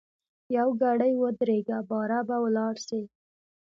یوګړی ودریږه باره به ولاړ سی.